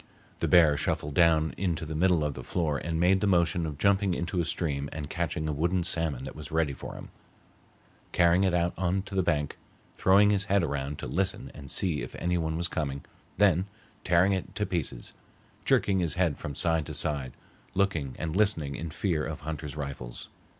The bear shuffled down into the middle of the floor and made the motion of jumping into a stream and catching a wooden salmon that was ready for him, carrying it out on to the bank, throwing his head around to listen and see if any one was coming, then tearing it to pieces, jerking his head from side to side, looking and listening in fear of hunters' rifles.